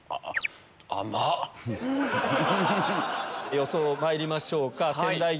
予想まいりましょうか。